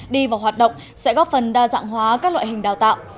đi vào hoạt động sẽ góp phần đa dạng hóa các loại hình đào tạo